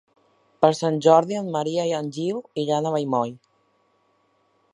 Per Sant Jordi en Maria i en Gil iran a Vallmoll.